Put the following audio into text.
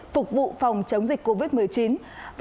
phục vụ phòng chống dịch covid một mươi chín